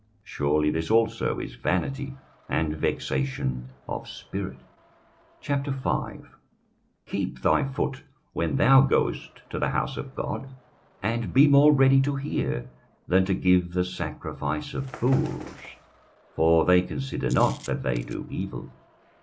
Surely this also is vanity and vexation of spirit. 21:005:001 Keep thy foot when thou goest to the house of God, and be more ready to hear, than to give the sacrifice of fools: for they consider not that they do evil.